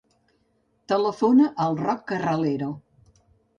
Telefona al Roc Carralero.